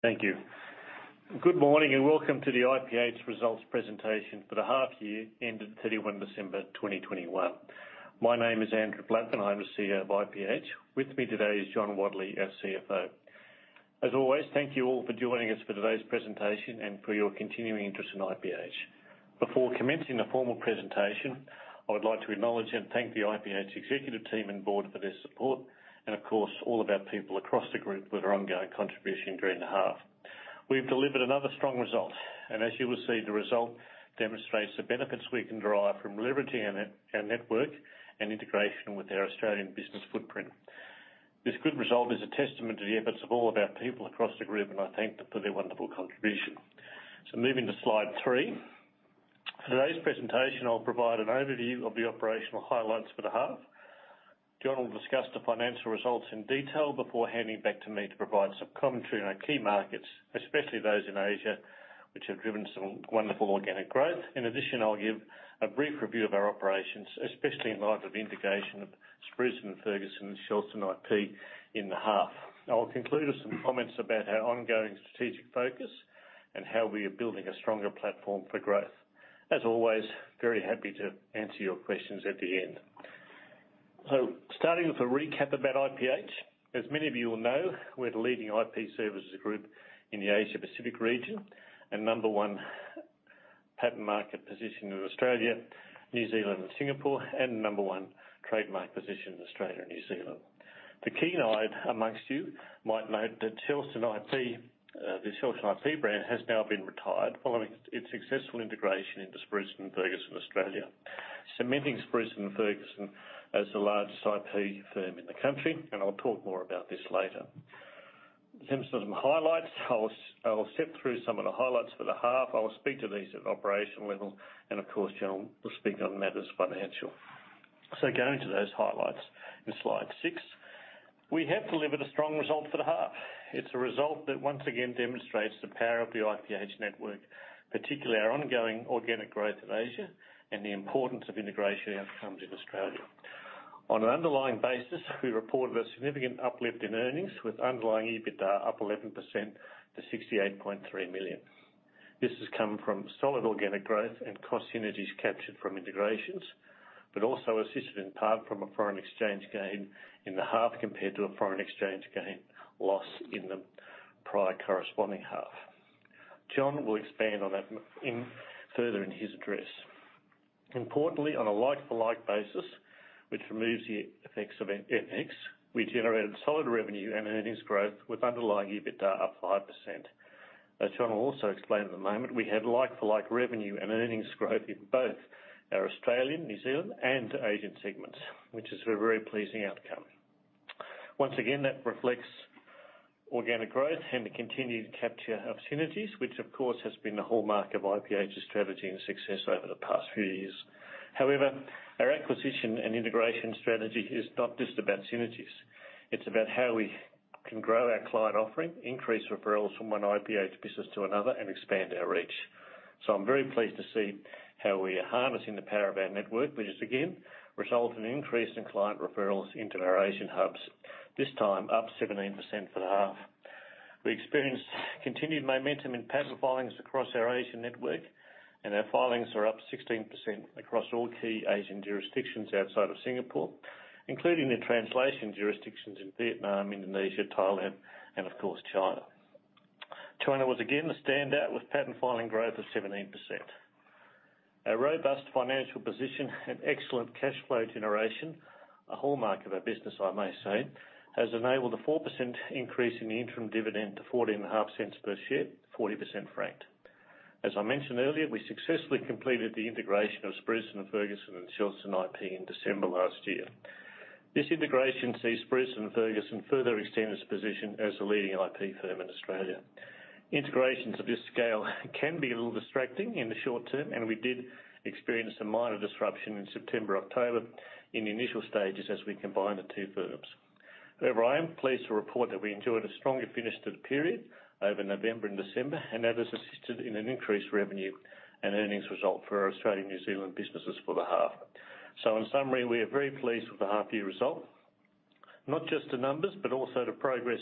Thank you. Good morning, and welcome to the IPH results presentation for the half year ended 31 December 2021. My name is Andrew Blattman, and I'm the CEO of IPH. With me today is John Wadley, our CFO. As always, thank you all for joining us for today's presentation and for your continuing interest in IPH. Before commencing the formal presentation, I would like to acknowledge and thank the IPH executive team and board for their support and, of course, all of our people across the group for their ongoing contribution during the half. We've delivered another strong result. As you will see, the result demonstrates the benefits we can derive from leverage in our network and integration with our Australian business footprint. This good result is a testament to the efforts of all of our people across the group, and I thank them for their wonderful contribution. Moving to slide 3. For today's presentation, I'll provide an overview of the operational highlights for the half. John will discuss the financial results in detail before handing it back to me to provide some commentary on our key markets, especially those in Asia, which have driven some wonderful organic growth. In addition, I'll give a brief review of our operations, especially in light of integration of Spruson & Ferguson and Shelston IP in the half. I'll conclude with some comments about our ongoing strategic focus and how we are building a stronger platform for growth. As always, very happy to answer your questions at the end. Starting with a recap about IPH. As many of you will know, we're the leading IP services group in the Asia Pacific region, and number one patent market position in Australia, New Zealand, and Singapore, and number one trademark position in Australia and New Zealand. The keen-eyed amongst you might note that Shelston IP, the Shelston IP brand has now been retired following its successful integration into Spruson & Ferguson Australia, cementing Spruson & Ferguson as the largest IP firm in the country, and I'll talk more about this later. Some highlights. I'll step through some of the highlights for the half. I'll speak to these at operational level, and of course, John will speak on matters financial. Going to those highlights in slide 6. We have delivered a strong result for the half. It's a result that once again demonstrates the power of the IPH network, particularly our ongoing organic growth in Asia and the importance of integration outcomes in Australia. On an underlying basis, we reported a significant uplift in earnings with underlying EBITDA up 11% to 68.3 million. This has come from solid organic growth and cost synergies captured from integrations, but also assisted in part from a foreign exchange gain in the half compared to a foreign exchange loss in the prior corresponding half. John will expand on that further in his address. Importantly, on a like-for-like basis, which removes the effects of an FX, we generated solid revenue and earnings growth with underlying EBITDA up 5%. As John will also explain in a moment, we have like-for-like revenue and earnings growth in both our Australian, New Zealand, and Asian segments, which is a very pleasing outcome. Once again, that reflects organic growth and the continued capture of synergies, which of course has been the hallmark of IPH's strategy and success over the past few years. However, our acquisition and integration strategy is not just about synergies. It's about how we can grow our client offering, increase referrals from one IPH business to another, and expand our reach. I'm very pleased to see how we are harnessing the power of our network, which has again resulted in an increase in client referrals into our Asian hubs. This time, up 17% for the half. We experienced continued momentum in patent filings across our Asian network, and our filings are up 16% across all key Asian jurisdictions outside of Singapore, including the translation jurisdictions in Vietnam, Indonesia, Thailand, and of course, China. China was again the standout with patent filing growth of 17%. A robust financial position and excellent cash flow generation, a hallmark of our business, I may say, has enabled a 4% increase in the interim dividend to 14.5 cents Per share, 40% franked. As I mentioned earlier, we successfully completed the integration of Spruson & Ferguson and Shelston IP in December last year. This integration sees Spruson & Ferguson further extend its position as the leading IP firm in Australia. Integrations of this scale can be a little distracting in the short term, and we did experience some minor disruption in September, October in the initial stages as we combined the two firms. However, I am pleased to report that we enjoyed a stronger finish to the period over November and December, and that has assisted in an increased revenue and earnings result for our Australian-New Zealand businesses for the half. In summary, we are very pleased with the half year result. Not just the numbers, but also the progress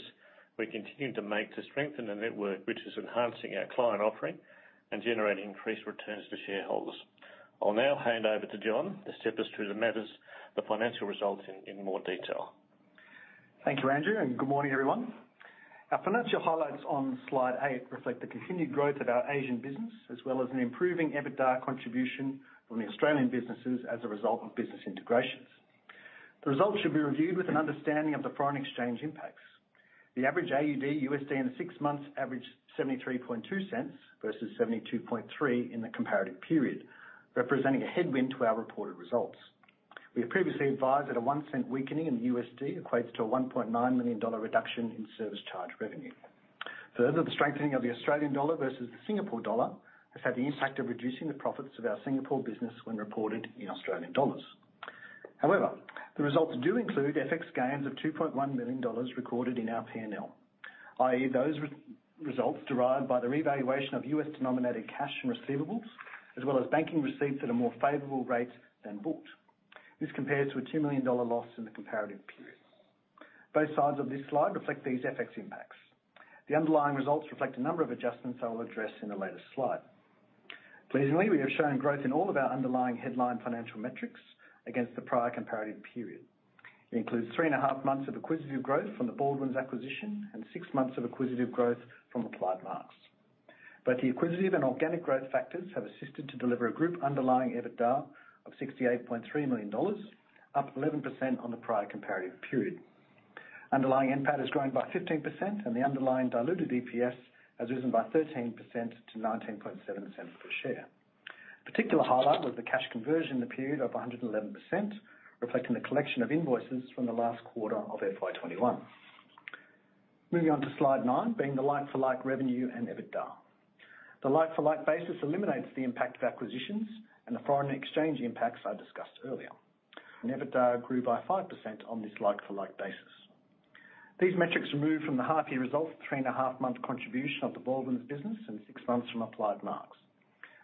we're continuing to make to strengthen the network, which is enhancing our client offering and generating increased returns to shareholders. I'll now hand over to John to step us through the matters, the financial results in more detail. Thank you, Andrew, and good morning, everyone. Our financial highlights on slide 8 reflect the continued growth of our Asian business, as well as an improving EBITDA contribution from the Australian businesses as a result of business integrations. The results should be reviewed with an understanding of the foreign exchange impacts. The average AUD/USD in the six months averaged 73.2 cents versus 72.3 in the comparative period, representing a headwind to our reported results. We have previously advised that a 1-cent weakening in the USD equates to a $1.9 million reduction in service charge revenue. Further, the strengthening of the Australian dollar versus the Singapore dollar has had the impact of reducing the profits of our Singapore business when reported in Australian dollars. However, the results do include FX gains of $2.1 million recorded in our P&L. Those results derived from the revaluation of U.S.-denominated cash and receivables, as well as banking receipts at a more favorable rate than booked. This compares to an 2 million dollar loss in the comparative period. Both sides of this slide reflect these FX impacts. The underlying results reflect a number of adjustments that I will address in a later slide. Pleasingly, we have shown growth in all of our underlying headline financial metrics against the prior comparative period. It includes three and a half months of acquisitive growth from the Baldwins acquisition and six months of acquisitive growth from Applied Marks. Both the acquisitive and organic growth factors have assisted to deliver a group underlying EBITDA of 68.3 million dollars, up 11% on the prior comparative period. Underlying NPAT has grown by 15%, and the underlying diluted EPS has risen by 13% to 19.7 cents per share. Particular highlight was the cash conversion in the period of 111%, reflecting the collection of invoices from the last quarter of FY 2021. Moving on to slide 9, being the like-for-like revenue and EBITDA. The like-for-like basis eliminates the impact of acquisitions and the foreign exchange impacts I discussed earlier. EBITDA grew by 5% on this like-for-like basis. These metrics removed from the half-year results 3.5-month contribution of the Baldwins business and 6 months from Applied Marks.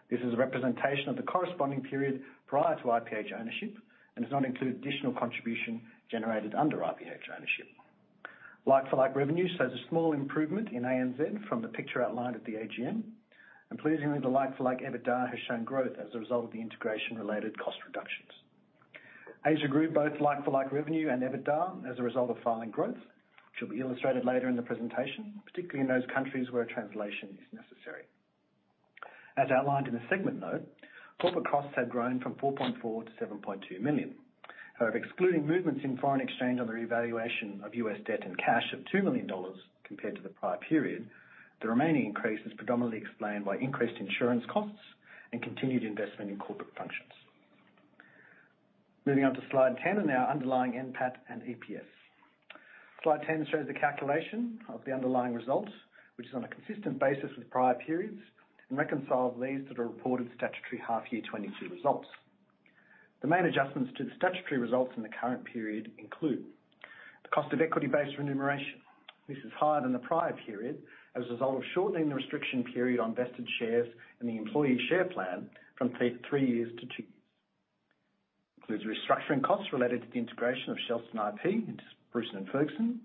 This is a representation of the corresponding period prior to IPH ownership and does not include additional contribution generated under IPH ownership. Like-for-like revenue shows a small improvement in ANZ from the picture outlined at the AGM. Pleasingly, the like-for-like EBITDA has shown growth as a result of the integration-related cost reductions. Asia grew both like-for-like revenue and EBITDA as a result of filing growth, which will be illustrated later in the presentation, particularly in those countries where translation is necessary. As outlined in the segment note, corporate costs had grown from 4.4 million to 7.2 million. However, excluding movements in foreign exchange on the revaluation of U.S. debt and cash of $2 million compared to the prior period, the remaining increase is predominantly explained by increased insurance costs and continued investment in corporate functions. Moving on to slide 10 and our underlying NPAT and EPS. Slide 10 shows the calculation of the underlying results, which is on a consistent basis with prior periods and reconciles these to the reported statutory half year 2022 results. The main adjustments to the statutory results in the current period include the cost of equity-based remuneration. This is higher than the prior period as a result of shortening the restriction period on vested shares in the employee share plan from three years to two years. Includes restructuring costs related to the integration of Shelston IP into Spruson & Ferguson.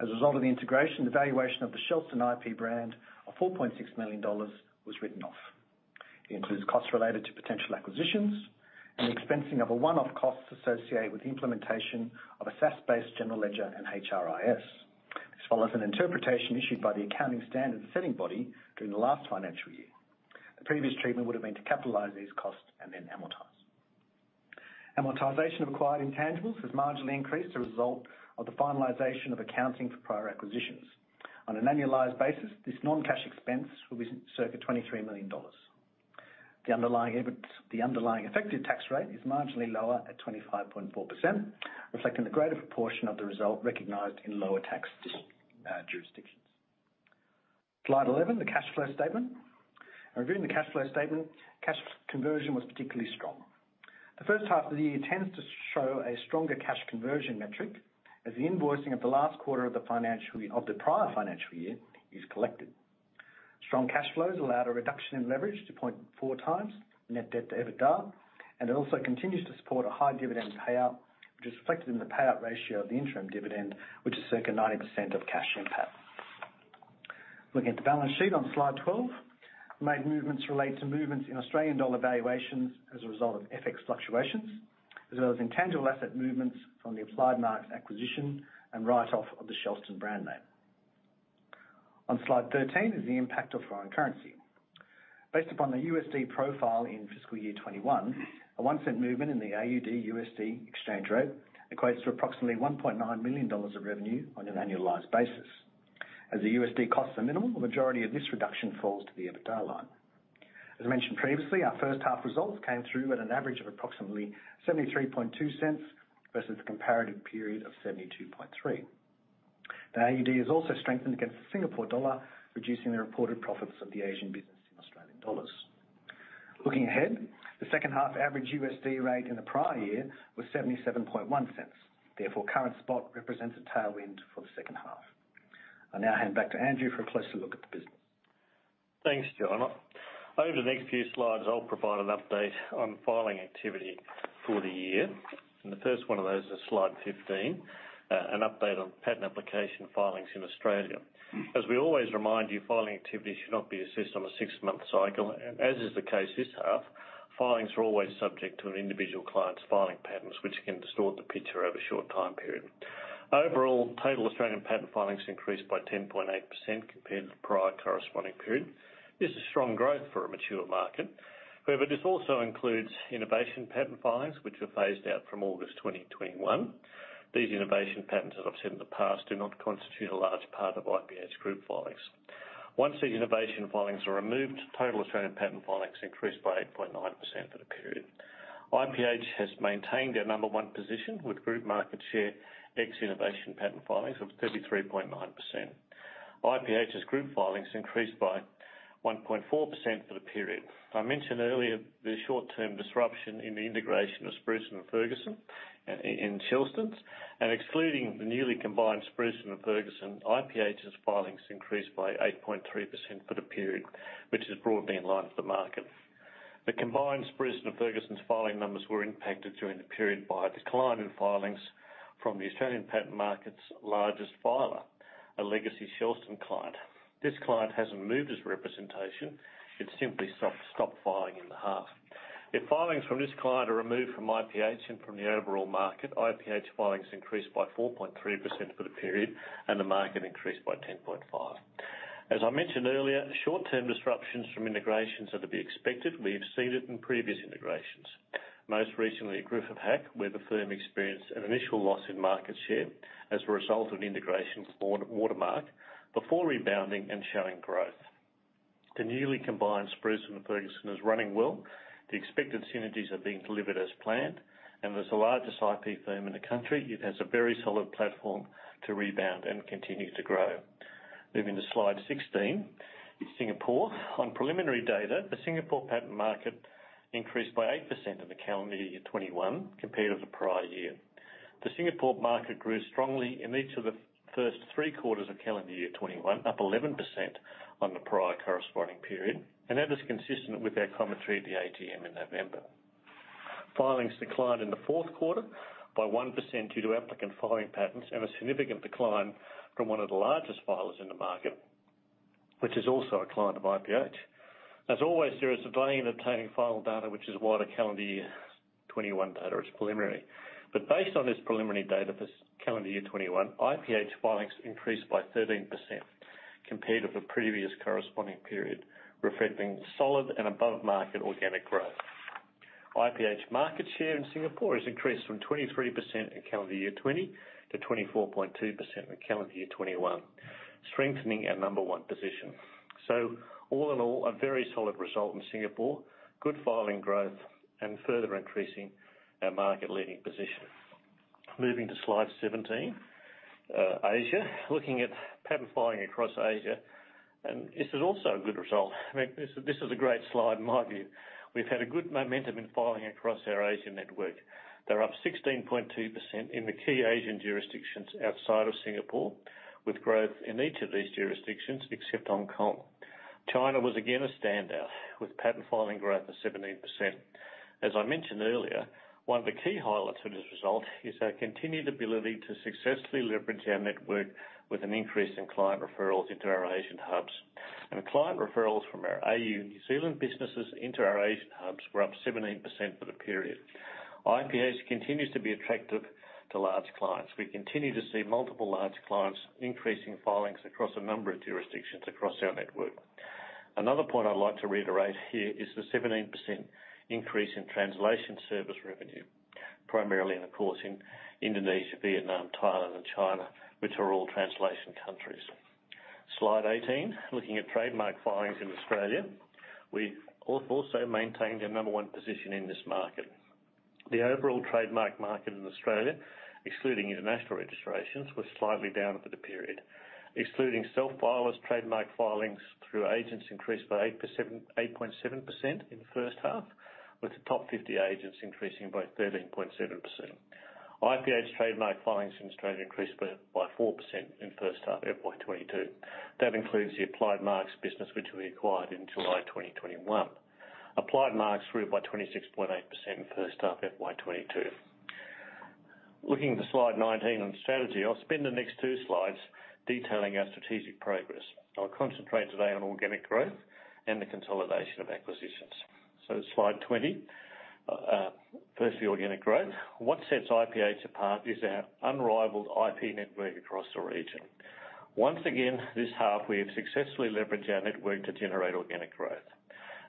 As a result of the integration, the valuation of the Shelston IP brand of 4.6 million dollars was written off. It includes costs related to potential acquisitions and the expensing of a one-off cost associated with the implementation of a SaaS-based general ledger and HRIS. This follows an interpretation issued by the Accounting Standards Setting Body during the last financial year. The previous treatment would have been to capitalize these costs and then amortize. Amortization of acquired intangibles has marginally increased as a result of the finalization of accounting for prior acquisitions. On an annualized basis, this non-cash expense will be circa 23 million dollars. The underlying effective tax rate is marginally lower at 25.4%, reflecting the greater proportion of the result recognized in lower tax jurisdictions. Slide 11, the cash flow statement. In reviewing the cash flow statement, cash conversion was particularly strong. The first half of the year tends to show a stronger cash conversion metric as the invoicing of the last quarter of the prior financial year is collected. Strong cash flows allowed a reduction in leverage to 0.4x net debt to EBITDA, and it also continues to support a high dividend payout, which is reflected in the payout ratio of the interim dividend, which is circa 90% of cash NPAT. Looking at the balance sheet on slide 12, main movements relate to movements in Australian dollar valuations as a result of FX fluctuations, as well as intangible asset movements from the Applied Marks acquisition and write-off of the Shelston brand name. On slide 13 is the impact of foreign currency. Based upon the USD profile in fiscal year 2021, a 1-cent movement in the AUD/USD exchange rate equates to approximately 1.9 million dollars of revenue on an annualized basis. As the USD costs are minimal, the majority of this reduction falls to the EBITDA line. As mentioned previously, our first half results came through at an average of approximately 0.732 versus the comparative period of 0.723. The AUD has also strengthened against the Singapore dollar, reducing the reported profits of the Asian business in Australian dollars. Looking ahead, the second half average USD rate in the prior year was 0.771. Therefore, current spot represents a tailwind for the second half. I now hand back to Andrew for a closer look at the business. Thanks, John. Over the next few slides, I'll provide an update on filing activity for the year. The first one of those is slide 15, an update on patent application filings in Australia. As we always remind you, filing activity should not be assessed on a six-month cycle. As is the case this half, filings are always subject to an individual client's filing patterns, which can distort the picture over a short time period. Overall, total Australian patent filings increased by 10.8% compared to the prior corresponding period. This is strong growth for a mature market. However, this also includes innovation patent filings, which were phased out from August 2021. These innovation patents, as I've said in the past, do not constitute a large part of IPH group filings. Once these innovation patent filings are removed, total Australian patent filings increased by 8.9% for the period. IPH has maintained our number one position with group market share ex innovation patent filings of 33.9%. IPH's group filings increased by 1.4% for the period. I mentioned earlier the short-term disruption in the integration of Spruson & Ferguson in Shelston's and excluding the newly combined Spruson & Ferguson, IPH's filings increased by 8.3% for the period, which is broadly in line with the market. The combined Spruson & Ferguson's filing numbers were impacted during the period by a decline in filings from the Australian patent market's largest filer, a legacy Shelston client. This client hasn't moved his representation; it simply stopped filing in the half. If filings from this client are removed from IPH and from the overall market, IPH filings increased by 4.3% for the period, and the market increased by 10.5%. As I mentioned earlier, short-term disruptions from integrations are to be expected. We have seen it in previous integrations, most recently at Griffith Hack, where the firm experienced an initial loss in market share as a result of integration with Watermark before rebounding and showing growth. The newly combined Spruson & Ferguson is running well. The expected synergies are being delivered as planned, and as the largest IP firm in the country, it has a very solid platform to rebound and continue to grow. Moving to slide 16, is Singapore. On preliminary data, the Singapore patent market increased by 8% in the calendar year 2021 compared with the prior year. The Singapore market grew strongly in each of the first three quarters of calendar year 2021, up 11% on the prior corresponding period, and that is consistent with our commentary at the AGM in November. Filings declined in the fourth quarter by 1% due to applicant filing patents and a significant decline from one of the largest filers in the market, which is also a client of IPH. As always, there is a delay in obtaining final data, which is why the calendar year 2021 data is preliminary. Based on this preliminary data for calendar year 2021, IPH filings increased by 13% compared with the previous corresponding period, reflecting solid and above-market organic growth. IPH market share in Singapore has increased from 23% in calendar year 2020 to 24.2% in calendar year 2021, strengthening our number one position. All in all, a very solid result in Singapore, good filing growth, and further increasing our market-leading position. Moving to slide 17, Asia. Looking at patent filing across Asia, and this is also a good result. I mean, this is a great slide in my view. We've had a good momentum in filing across our Asia network. They're up 16.2% in the key Asian jurisdictions outside of Singapore, with growth in each of these jurisdictions except Hong Kong. China was again a standout, with patent filing growth of 17%. As I mentioned earlier, one of the key highlights of this result is our continued ability to successfully leverage our network with an increase in client referrals into our Asian hubs. Client referrals from our AU New Zealand businesses into our Asian hubs were up 17% for the period. IPH continues to be attractive to large clients. We continue to see multiple large clients increasing filings across a number of jurisdictions across our network. Another point I'd like to reiterate here is the 17% increase in translation service revenue, primarily across Indonesia, Vietnam, Thailand and China, which are all translation countries. Slide 18, looking at trademark filings in Australia. We've also maintained our number one position in this market. The overall trademark market in Australia, excluding international registrations, was slightly down for the period. Excluding self-filers, trademark filings through agents increased by 8%, 8.7% in the first half, with the top 50 agents increasing by 13.7%. IPH trademark filings in Australia increased by 4% in first half FY 2022. That includes the Applied Marks business, which we acquired in July 2021. Applied Marks grew by 26.8% in first half FY 2022. Looking to slide 19 on strategy, I'll spend the next 2 slides detailing our strategic progress. I'll concentrate today on organic growth and the consolidation of acquisitions. Slide 20, first the organic growth. What sets IPH apart is our unrivaled IP network across the region. Once again, this half we have successfully leveraged our network to generate organic growth.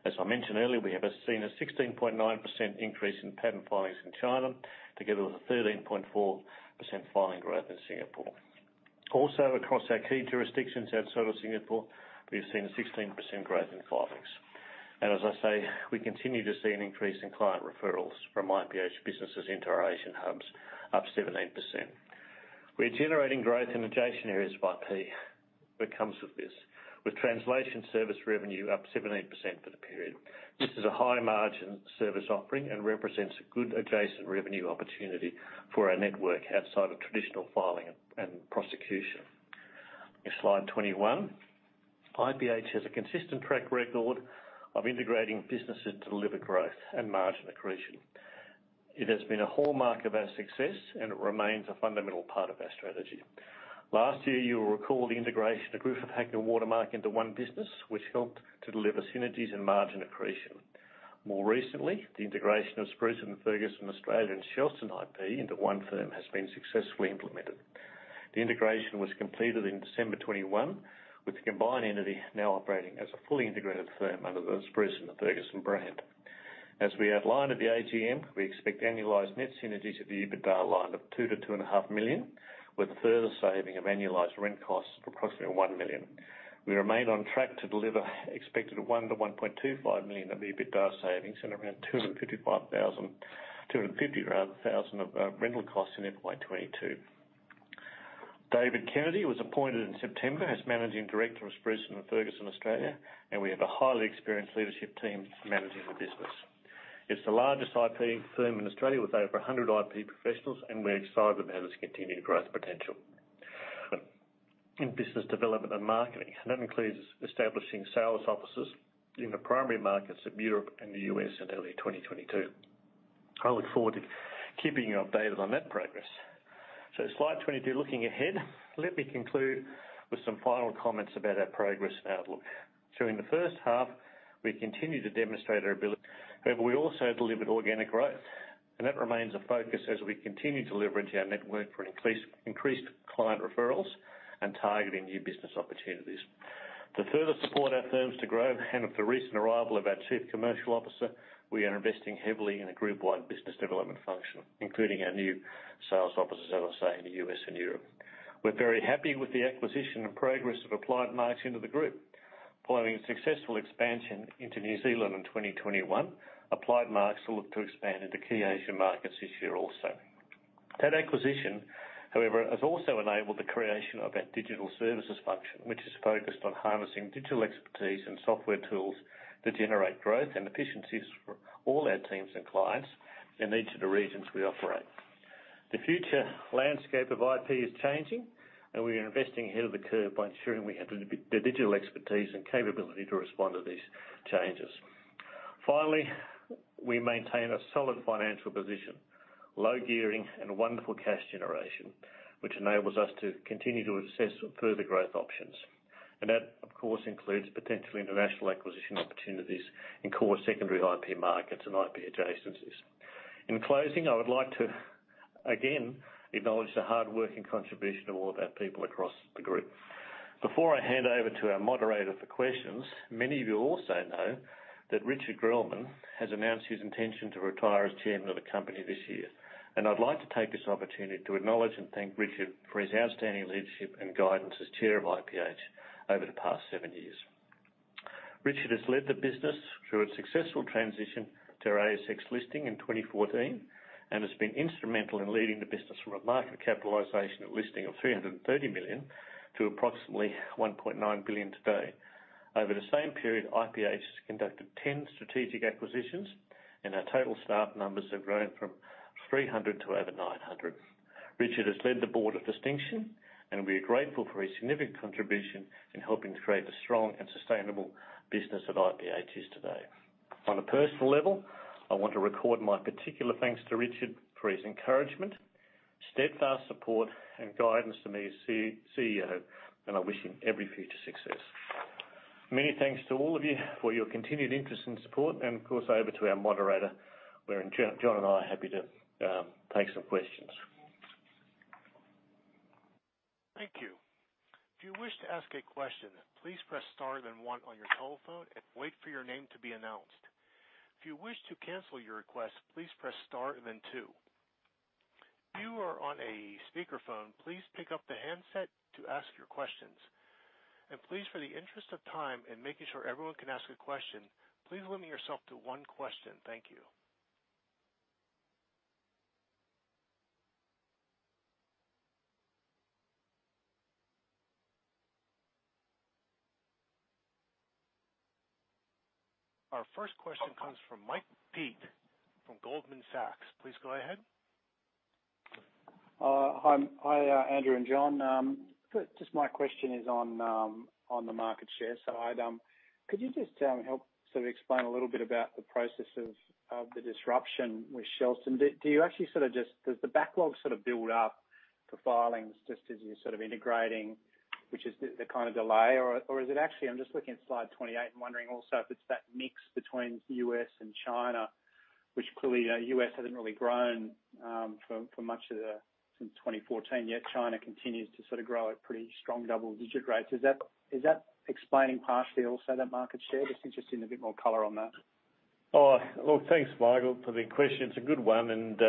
As I mentioned earlier, we have seen a 16.9% increase in patent filings in China, together with a 13.4% filing growth in Singapore. Also, across our key jurisdictions outside of Singapore, we've seen a 16% growth in filings. As I say, we continue to see an increase in client referrals from IPH businesses into our Asian hubs, up 17%. We're generating growth in adjacent areas of IP that comes with this, with translation service revenue up 17% for the period. This is a high-margin service offering and represents a good adjacent revenue opportunity for our network outside of traditional filing and prosecution. In slide 21, IPH has a consistent track record of integrating businesses to deliver growth and margin accretion. It has been a hallmark of our success and remains a fundamental part of our strategy. Last year, you will recall the integration of Griffith Hack and Watermark into one business, which helped to deliver synergies and margin accretion. More recently, the integration of Spruson & Ferguson Australia and Shelston IP into one firm has been successfully implemented. The integration was completed in December 2021, with the combined entity now operating as a fully integrated firm under the Spruson & Ferguson brand. As we outlined at the AGM, we expect annualized net synergies at the EBITDA line of 2 million-2.5 million, with a further saving of annualized rent costs of approximately 1 million. We remain on track to deliver expected 1 million-1.25 million of EBITDA savings and around 250,000 of rental costs in FY 2022. David Kennedy was appointed in September as Managing Director of Spruson & Ferguson Australia, and we have a highly experienced leadership team managing the business. It's the largest IP firm in Australia with over 100 IP professionals, and we're excited about its continued growth potential. In business development and marketing, and that includes establishing sales offices in the primary markets of Europe and the U.S. in early 2022. I look forward to keeping you updated on that progress. Slide 22, looking ahead, let me conclude with some final comments about our progress and outlook. In the first half, we continued to demonstrate our ability. However, we also delivered organic growth, and that remains a focus as we continue to leverage our network for increased client referrals and targeting new business opportunities. To further support our firms to grow and with the recent arrival of our Chief Commercial Officer, we are investing heavily in a group-wide business development function, including our new sales offices, as I say, in the U.S. and Europe. We're very happy with the acquisition and progress of Applied Marks into the group. Following a successful expansion into New Zealand in 2021, Applied Marks will look to expand into key Asian markets this year also. That acquisition, however, has also enabled the creation of our digital services function, which is focused on harnessing digital expertise and software tools that generate growth and efficiencies for all our teams and clients in each of the regions we operate. The future landscape of IP is changing, and we are investing ahead of the curve by ensuring we have the digital expertise and capability to respond to these changes. Finally, we maintain a solid financial position, low gearing, and wonderful cash generation, which enables us to continue to assess further growth options. That, of course, includes potential international acquisition opportunities in core secondary IP markets and IP adjacencies. In closing, I would like to again acknowledge the hardworking contribution of all of our people across the group. Before I hand over to our moderator for questions, many of you also know that Richard Grellman has announced his intention to retire as chairman of the company this year. I'd like to take this opportunity to acknowledge and thank Richard for his outstanding leadership and guidance as chair of IPH over the past seven years. Richard has led the business through a successful transition to our ASX listing in 2014 and has been instrumental in leading the business from a market capitalization at listing of AUD 330 million to approximately AUD 1.9 billion today. Over the same period IPH has conducted 10 strategic acquisitions, and our total staff numbers have grown from 300 to over 900. Richard has led the board with distinction, and we are grateful for his significant contribution in helping to create the strong and sustainable business that IPH is today. On a personal level, I want to record my particular thanks to Richard for his encouragement, steadfast support, and guidance to me as CEO, and I wish him every future success. Many thanks to all of you for your continued interest and support. Of course, over to our moderator, where John and I are happy to take some questions. Thank you. If you wish to ask a question, please press star then one on your telephone and wait for your name to be announced. If you wish to cancel your request, please press star and then two. If you are on a speakerphone, please pick up the handset to ask your questions. Please, for the interest of time in making sure everyone can ask a question, please limit yourself to one question. Thank you. Our first question comes from Mike Peet from Goldman Sachs. Please go ahead. Hi, Andrew and John. Just my question is on the market share side. Could you just help sort of explain a little bit about the process of the disruption with Shelston? Does the backlog sort of build up for filings just as you're sort of integrating, which is the kind of delay? Or is it actually, I'm just looking at slide 28 and wondering also if it's that mix between the U.S. and China, which clearly, you know, U.S. hasn't really grown for much of the since 2014, yet China continues to sort of grow at pretty strong double-digit rates. Is that explaining partially also that market share? Just interested in a bit more color on that. Oh, look, thanks, Michael, for the question. It's a good one, and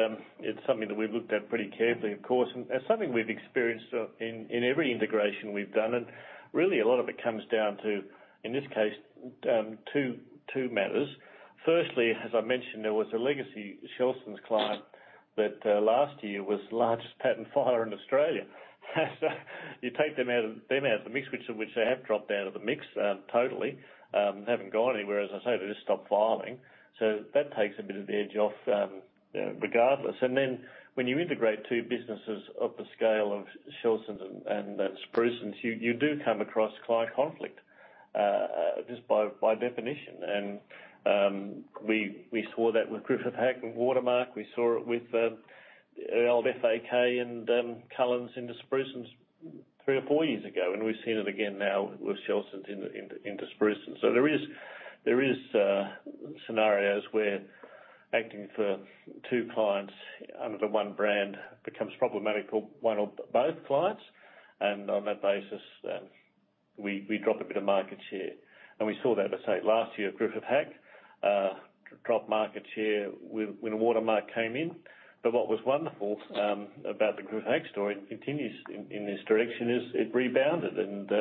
it's something that we've looked at pretty carefully, of course, and something we've experienced in every integration we've done. Really a lot of it comes down to, in this case, 2 matters. Firstly, as I mentioned, there was a legacy Shelston IP's client that last year was the largest patent filer in Australia. You take them out of the mix, which they have dropped out of the mix totally. They haven't gone anywhere. As I say, they just stopped filing. That takes a bit of the edge off, regardless. When you integrate 2 businesses of the scale of Shelston IP's and Spruson & Ferguson's, you do come across client conflict just by definition. We saw that with Griffith Hack and Watermark. We saw it with old FAK and Cullens into Spruson's three or four years ago, and we've seen it again now with Shelston's into Spruson's. There is scenarios where acting for two clients under the one brand becomes problematic for one or both clients. On that basis, we drop a bit of market share. We saw that, as I say, last year Griffith Hack drop market share when Watermark came in. What was wonderful about the Griffith Hack story, and it continues in this direction, is it rebounded and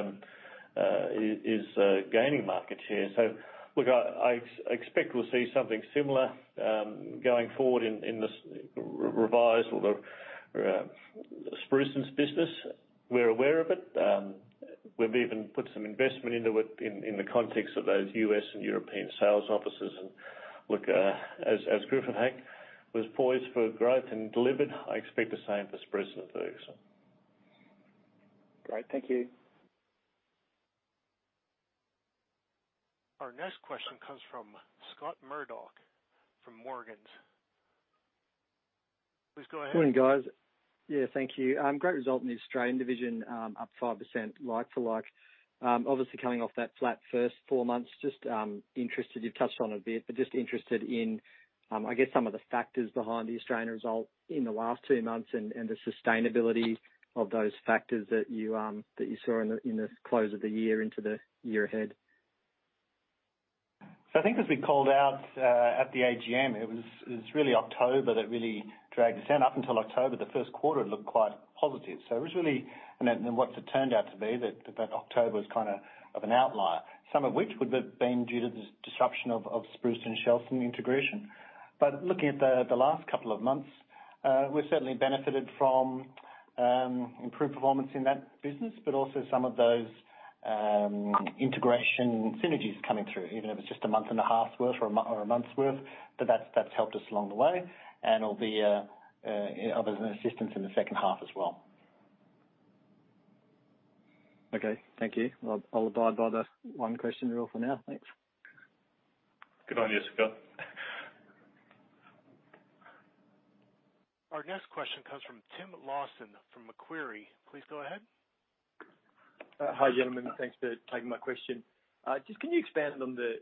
is gaining market share. Look, I expect we'll see something similar going forward in this revised Spruson's business. We're aware of it. We've even put some investment into it in the context of those U.S. and European sales offices. Look, as Griffith Hack was poised for growth and delivered, I expect the same for Spruson & Ferguson. Great. Thank you. Our next question comes from Scott Murdoch from Morgans. Please go ahead. Morning, guys. Yeah, thank you. Great result in the Australian division, up 5% like to like. Obviously coming off that flat first four months. You've touched on it a bit, but just interested in, I guess, some of the factors behind the Australian result in the last two months and the sustainability of those factors that you saw in the close of the year into the year ahead. I think as we called out at the AGM, it was really October that really dragged us down. Up until October, the first quarter looked quite positive. It was really what it turned out to be that October was kind of an outlier, some of which would have been due to the disruption of Spruson & Ferguson and Shelston IP integration. Looking at the last couple of months, we've certainly benefited from improved performance in that business, but also some of those integration synergies coming through, even if it's just a month and a half's worth or a month's worth, but that's helped us along the way and will be of assistance in the second half as well. Okay. Thank you. I'll abide by the one question rule for now. Thanks. Good on you, Scott. Our next question comes from Tim Lawson from Macquarie. Please go ahead. Hi, gentlemen. Thanks for taking my question. Just can you expand on the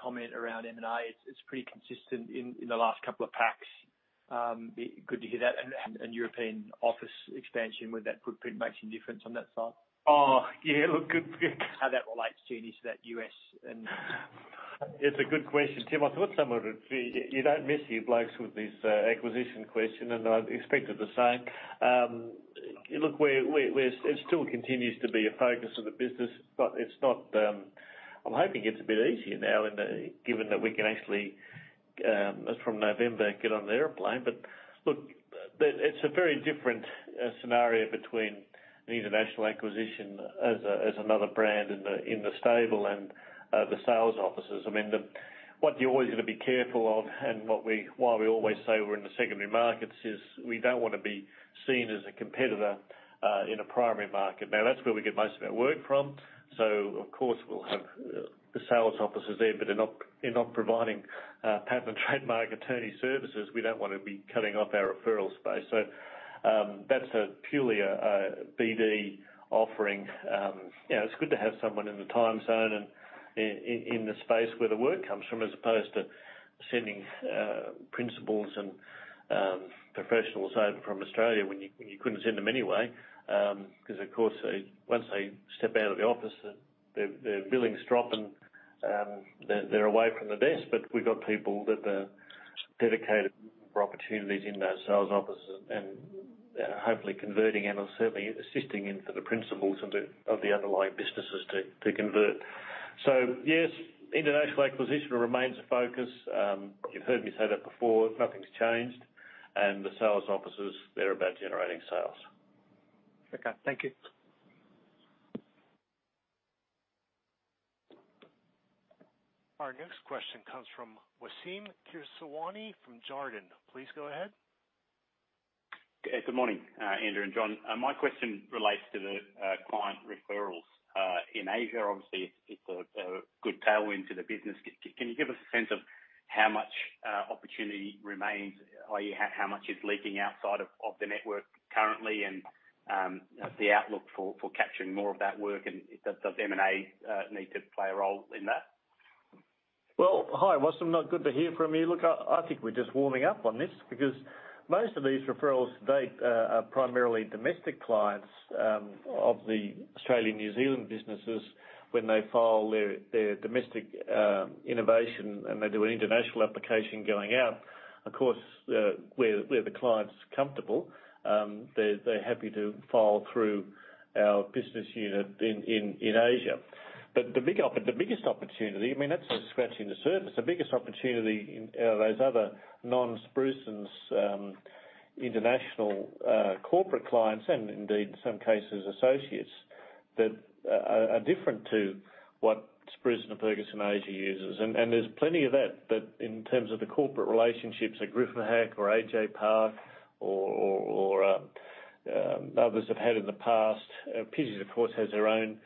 comment around M&A? It's pretty consistent in the last couple of packs. Good to hear that. European office expansion, would that footprint make any difference on that side? Oh, yeah. Look, good. How that relates to any of that U.S. and. It's a good question, Tim. I thought someone would. You don't miss, you blokes with this acquisition question, and I expected the same. Look, we're. It still continues to be a focus of the business, but it's not. I'm hoping it's a bit easier now. Given that we can actually from November get on the airplane. But look, it's a very different scenario between the international acquisition as another brand in the stable and the sales offices. I mean, what you're always gonna be careful of, and why we always say we're in the secondary markets, is we don't wanna be seen as a competitor in a primary market. Now, that's where we get most of our work from. Of course we'll have the sales offices there, but they're not providing patent and trademark attorney services. We don't wanna be cutting off our referral space. That's a purely BD offering. You know, it's good to have someone in the time zone and in the space where the work comes from, as opposed to sending principals and professionals over from Australia when you couldn't send them anyway. Because of course, once they step out of the office, their billing's dropping, they're away from the desk. But we've got people that are dedicated for opportunities in those sales offices and hopefully converting and are certainly assisting in for the principals and the of the underlying businesses to convert. Yes, international acquisition remains a focus. You've heard me say that before. Nothing's changed. The sales offices, they're about generating sales. Okay. Thank you. Our next question comes from Waseem Khursheed from Jarden. Please go ahead. Good morning, Andrew and John. My question relates to the client referrals. In Asia, obviously it's a good tailwind to the business. Can you give us a sense of how much opportunity remains? i.e., how much is leaking outside of the network currently and the outlook for capturing more of that work? Does M&A need to play a role in that? Well, hi, Waseem. No, good to hear from you. Look, I think we're just warming up on this because most of these referrals to date are primarily domestic clients of the Australian New Zealand businesses when they file their domestic innovation and they do an international application going out. Of course, where the client's comfortable, they're happy to file through our business unit in Asia. But the biggest opportunity, I mean, that's just scratching the surface. The biggest opportunity are those other non-Spruson's international corporate clients and indeed in some cases associates that are different to what Spruson & Ferguson Asia uses. There's plenty of that in terms of the corporate relationships like Griffith Hack or AJ Park or others have had in the past. Pizzeys of course has their own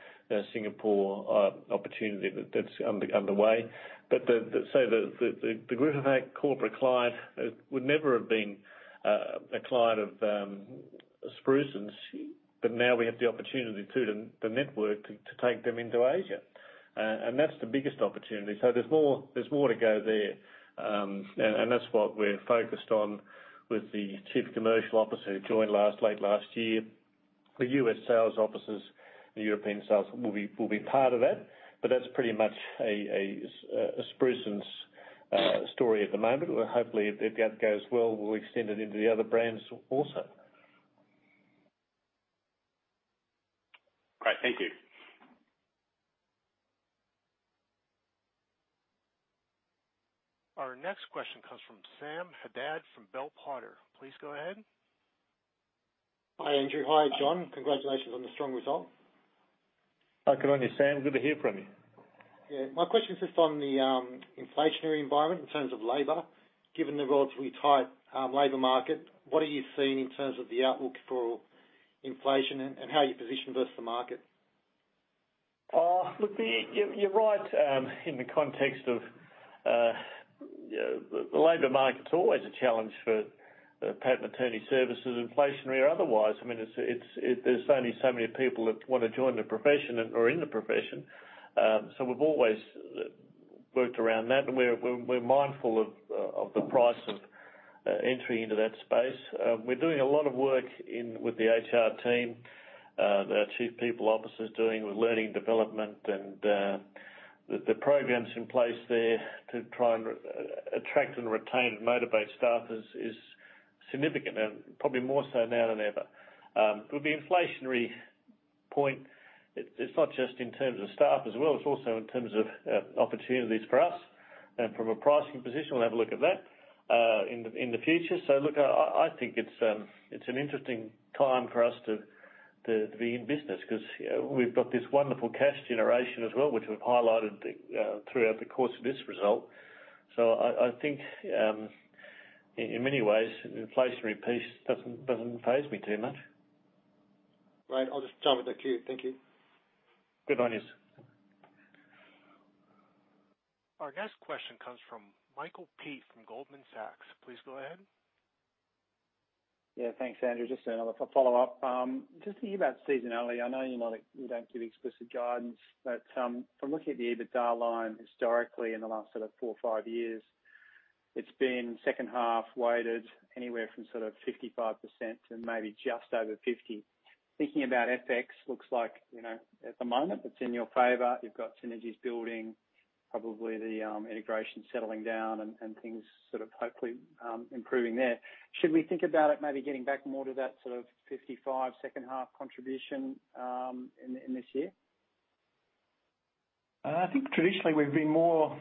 Singapore opportunity that's underway. The Griffith Hack corporate client would never have been a client of Spruson's, but now we have the opportunity through the network to take them into Asia. That's the biggest opportunity. There's more to go there. That's what we're focused on with the chief commercial officer who joined late last year. The U.S. sales offices and European sales will be part of that, but that's pretty much a Spruson's story at the moment. Hopefully, if that goes well, we'll extend it into the other brands also. Great. Thank you. Our next question comes from Sam Haddad from Bell Potter. Please go ahead. Hi, Andrew. Hi, John. Congratulations on the strong result. Hi, good morning, Sam. Good to hear from you. Yeah. My question is just on the inflationary environment in terms of labor, given the relatively tight labor market, what are you seeing in terms of the outlook for inflation and how you position versus the market? Look, you're right, in the context of, you know, the labor market's always a challenge for, patent attorney services, inflationary or otherwise. I mean, it's. There's only so many people that wanna join the profession and are in the profession. So we've always worked around that, and we're mindful of the price of entry into that space. We're doing a lot of work with the HR team, that our Chief People Officer is doing with learning development and the programs in place there to try and attract and retain and motivate staff is significant and probably more so now than ever. With the inflationary point, it's not just in terms of staff as well, it's also in terms of opportunities for us. From a pricing position, we'll have a look at that in the future. Look, I think it's an interesting time for us to be in business because we've got this wonderful cash generation as well, which we've highlighted throughout the course of this result. I think in many ways, the inflationary piece doesn't phase me too much. Great. I'll just jump the queue. Thank you. Good one, yes. Our next question comes from Michael Peet from Goldman Sachs. Please go ahead. Yeah. Thanks, Andrew. Just another follow-up. Just thinking about seasonality, I know you're not. You don't give explicit guidance, but from looking at the EBITDA line historically in the last sort of four or five years, it's been second half weighted anywhere from sort of 55% to maybe just over 50%. Thinking about FX looks like, you know, at the moment it's in your favor. You've got synergies building, probably the integration settling down and things sort of hopefully improving there. Should we think about it maybe getting back more to that sort of 55% second half contribution in this year? I think traditionally we've been more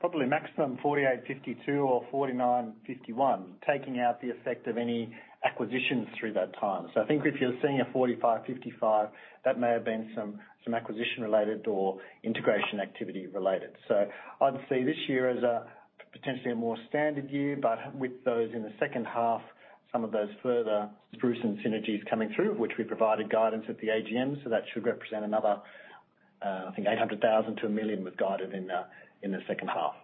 probably maximum 48%-52% or 49%-51%, taking out the effect of any acquisitions through that time. I think if you're seeing a 45%-55%, that may have been some acquisition related or integration activity related. I'd see this year as potentially a more standard year, but with those in the second half, some of those further Spruson synergies coming through, which we provided guidance at the AGM. That should represent another, I think 800,000-1 million we've guided in the second half.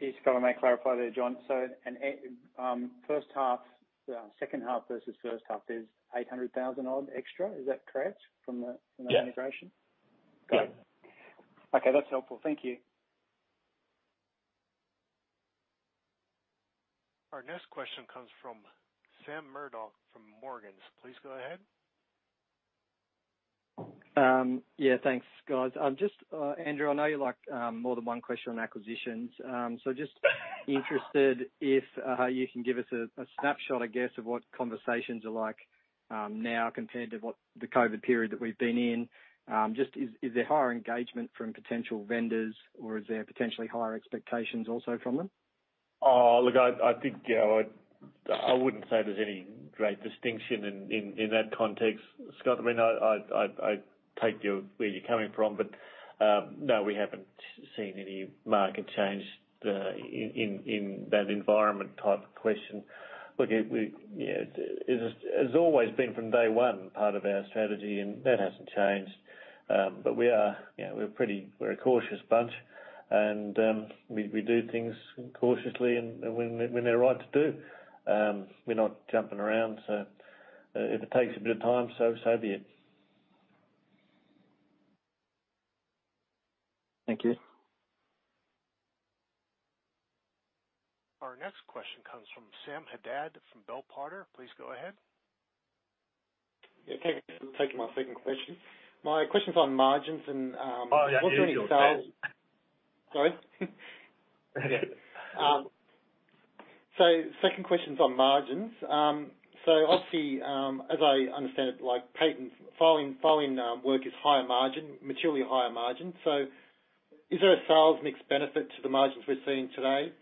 If I may clarify there, John. First half, second half versus first half, there's 800,000 odd extra. Is that correct from the- from the integration? Yeah. Got it. Okay, that's helpful. Thank you. Our next question comes from Scott Murdoch from Morgans. Please go ahead. Yeah, thanks, guys. Just, Andrew, I know you like more than one question on acquisitions. Just interested if you can give us a snapshot, I guess, of what conversations are like now compared to what the COVID period that we've been in. Just is there higher engagement from potential vendors or is there potentially higher expectations also from them? Oh, look, I think, you know, I wouldn't say there's any great distinction in that context, Scott. I mean, I take where you're coming from, but no, we haven't seen any market change in that environment type of question. Look, you know, it's always been from day one part of our strategy and that hasn't changed. But we are, you know, we're pretty, a cautious bunch and we do things cautiously and when they're right to do. We're not jumping around, so if it takes a bit of time, so be it. Thank you. Our next question comes from Sam Haddad from Bell Potter. Please go ahead. Yeah, thanks. This will be my second question. My question's on margins and, Oh, yeah. Here's your second. Sorry. Second question's on margins. Obviously, as I understand it, like patents filing work is higher margin, materially higher margin. Is there a sales mix benefit to the margins we're seeing today?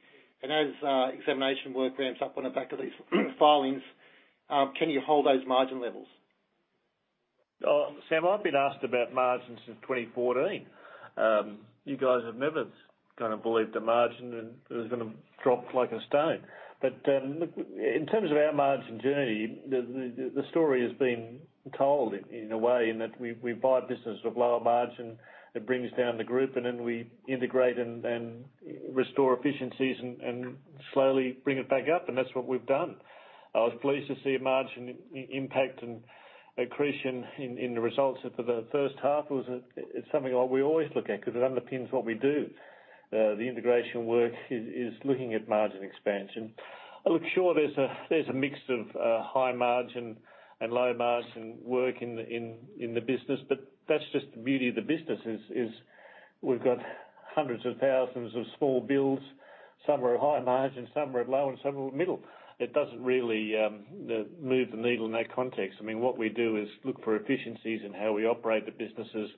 As examination work ramps up on the back of these filings, can you hold those margin levels? Oh, Sam, I've been asked about margins since 2014. You guys have never kind of believed the margin and it was gonna drop like a stone. Look, in terms of our margin journey, the story has been told in a way in that we buy business with lower margin that brings down the group, and then we integrate and restore efficiencies and slowly bring it back up, and that's what we've done. I was pleased to see a margin impact and accretion in the results for the first half. It's something that we always look at because it underpins what we do. The integration work is looking at margin expansion. Look, sure there's a mix of high margin and low margin work in the business, but that's just the beauty of the business. We've got hundreds of thousands of small bills. Some are high margin, some are low, and some are middle. It doesn't really move the needle in that context. I mean, what we do is look for efficiencies in how we operate the businesses.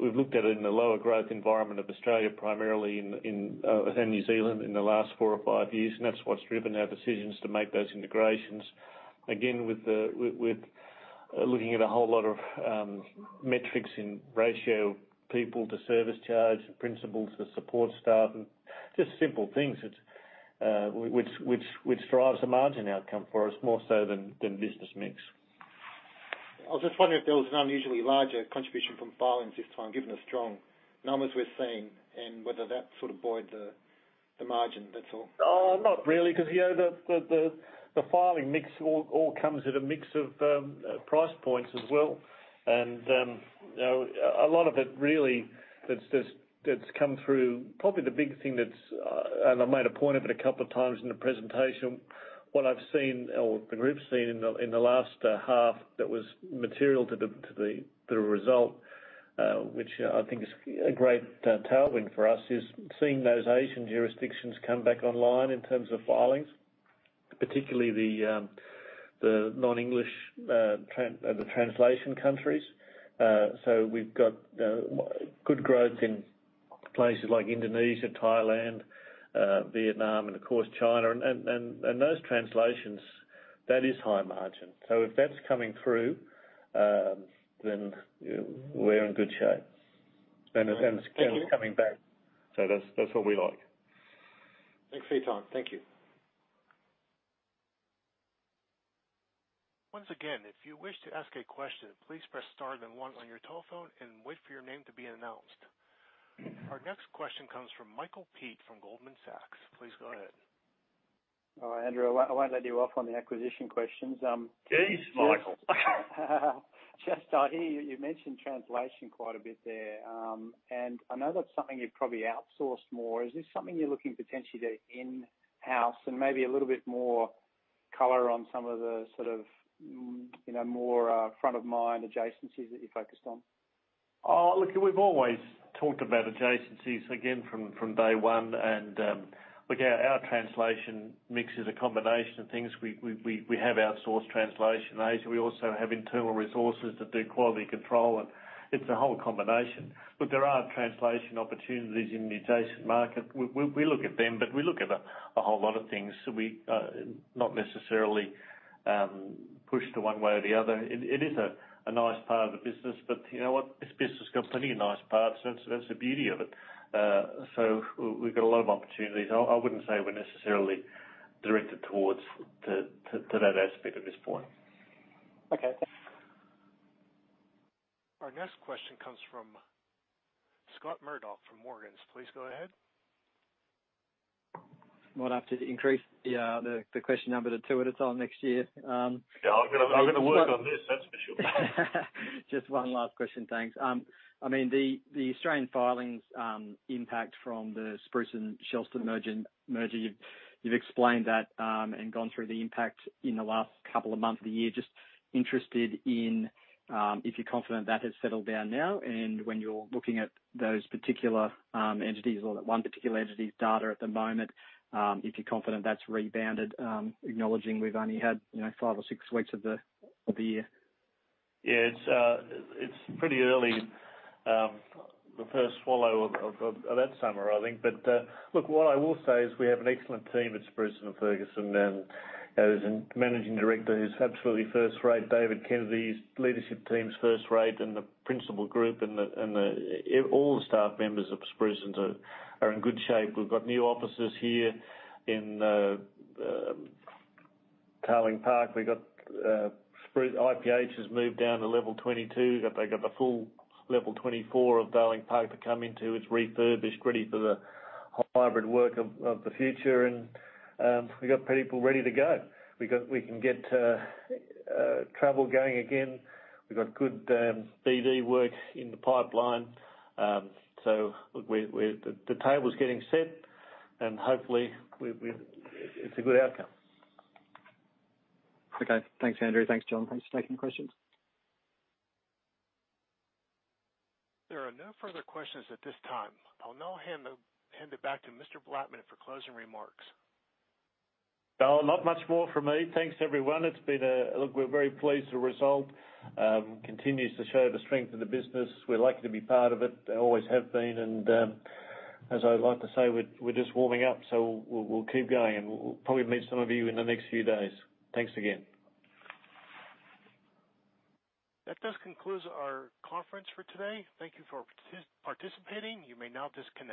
We've looked at it in the lower growth environment of Australia, primarily in and New Zealand in the last four or five years, and that's what's driven our decisions to make those integrations. Again, with the with looking at a whole lot of metrics in ratio, people to service charge, principals to support staff, and just simple things that which drives the margin outcome for us more so than business mix. I was just wondering if there was an unusually larger contribution from filings this time, given the strong numbers we're seeing and whether that sort of buoyed the margin, that's all? Not really, 'cause, you know, the filing mix all comes at a mix of price points as well. You know, a lot of it really that's come through. Probably the big thing that's and I made a point of it a couple of times in the presentation, what I've seen or the group's seen in the last half that was material to the result, which I think is a great tailwind for us, is seeing those Asian jurisdictions come back online in terms of filings, particularly the non-English translation countries. We've got good growth in places like Indonesia, Thailand, Vietnam, and of course, China. Those translations, that is high margin. If that's coming through, then we're in good shape. It's coming back. That's what we like. Thanks, Blattman. Thank you. Once again, if you wish to ask a question, please press star then one on your telephone and wait for your name to be announced. Our next question comes from Michael Peet from Goldman Sachs. Please go ahead. All right, Andrew, I won't let you off on the acquisition questions. Please, Michael. Just, here you mentioned translation quite a bit there. I know that's something you've probably outsourced more. Is this something you're looking potentially to in-house and maybe a little bit more color on some of the sort of, you know, more, front of mind adjacencies that you're focused on? Look, we've always talked about adjacencies again from day one. Look, our translation mix is a combination of things. We have outsourced translation in Asia. We also have internal resources that do quality control, and it's a whole combination. There are translation opportunities in the adjacent market. We look at them, but we look at a whole lot of things. We not necessarily pushed to one way or the other. It is a nice part of the business, but you know what? This business has got plenty of nice parts. That's the beauty of it. We've got a lot of opportunities. I wouldn't say we're necessarily directed towards to that aspect at this point. Okay, thanks. Our next question comes from Scott Murdoch from Morgans. Please go ahead. Might have to increase, yeah, the question number to two at a time next year. Yeah, I'm gonna. I'm gonna work on this, that's for sure. Just one last question, thanks. I mean, the Australian filings, impact from the Spruson and Shelston merger, you've explained that, and gone through the impact in the last couple of months of the year. Just interested in if you're confident that has settled down now, and when you're looking at those particular entities or that one particular entity's data at the moment, if you're confident that's rebounded, acknowledging we've only had, you know, five or six weeks of the year. Yeah. It's pretty early. The first swallow of that summer, I think. Look, what I will say is we have an excellent team at Spruson & Ferguson, and there's a managing director who's absolutely first rate. David Kennedy's leadership team is first rate and the principal group and all the staff members of Spruson & Ferguson are in good shape. We've got new offices here in Darling Park. Spruson & Ferguson, IPH, has moved down to level 22. They got the full level 24 of Darling Park to come into. It's refurbished, ready for the hybrid work of the future. We got people ready to go. We can get travel going again. We've got good BD work in the pipeline. Look, we The table's getting set and hopefully it's a good outcome. Okay. Thanks, Andrew. Thanks, John. Thanks for taking the questions. There are no further questions at this time. I'll now hand it back to Mr. Blattman for closing remarks. Well, not much more from me. Thanks, everyone. It's been a. Look, we're very pleased with the result. It continues to show the strength of the business. We're lucky to be part of it. Always have been. As I'd like to say, we're just warming up. We'll keep going and we'll probably meet some of you in the next few days. Thanks again. That does conclude our conference for today. Thank you for participating. You may now disconnect.